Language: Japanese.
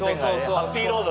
ハッピーロードね。